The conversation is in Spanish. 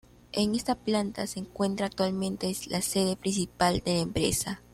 En esta planta se encuentra actualmente la sede principal de la empresa.